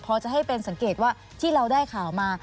พอจะให้เป็นสังเกตว่าที่เราได้ข่าวมา